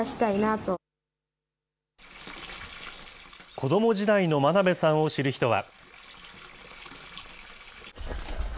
子ども時代の真鍋さんを知る人は。